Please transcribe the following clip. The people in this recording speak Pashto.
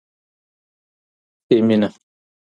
سيمينه